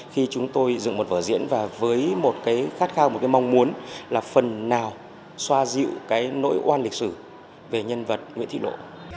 khi chúng tôi dựng một vở diễn và với một cái khát khao một cái mong muốn là phần nào xoa dịu cái nỗi oan lịch sử về nhân vật nguyễn thị lộ